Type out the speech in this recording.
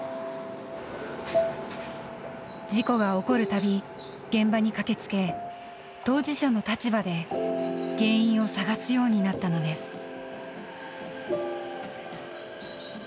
事故が起こる度現場に駆けつけ当事者の立場で原因を探すようになったのです。